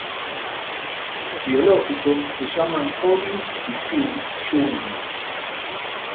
Los dos hijos biológicos se llaman Collins y Sean, Jr.